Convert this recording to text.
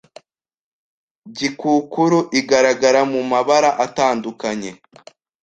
Gikukuru igaragara mu mabara atandukanye